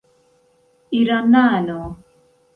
iranano